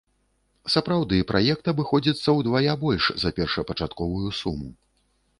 Сапраўды, праект абыходзіцца ўдвая больш за першапачатковую суму.